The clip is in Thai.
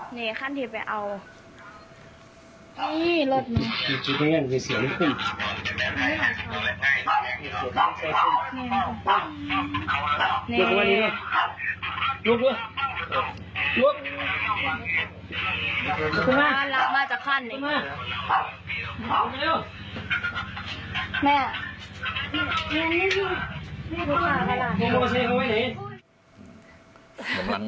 เหนียวข้างที่จะไปเอา